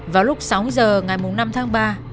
vào lúc sáu h ngày năm tháng ba